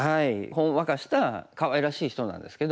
ほんわかしたかわいらしい人なんですけど。